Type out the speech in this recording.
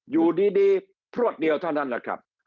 อยู่ดีพลวดเดียวเท่านั้นแหละครับ